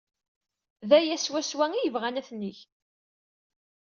D aya swaswa ay bɣan ad t-neg.